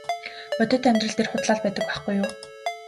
Бодит амьдрал дээр худлаа л байдаг байхгүй юу.